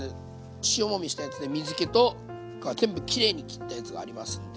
塩もみしたやつで水けとか全部きれいに切ったやつがありますんで。